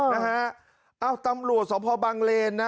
นะฮะตำรวจสมพบังเลนนะ